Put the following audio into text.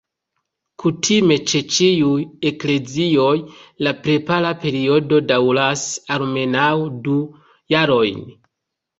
Kutime, ĉe ĉiuj eklezioj la prepara periodo daŭras almenaŭ du jarojn.